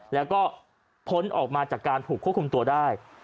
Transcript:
แล้วก็พ้นออกมาจากการถูกควบคุมตัวได้